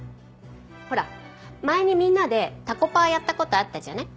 ほら前にみんなでたこパやった事あったじゃない？